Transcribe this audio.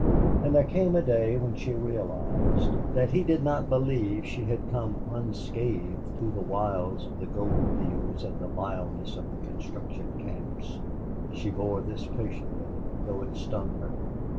And there came a day when she realized that he did not believe she had come unscathed through the wilds of the gold fields and the vileness of the construction camps. She bore this patiently, though it stung her.